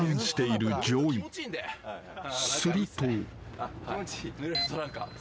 ［すると］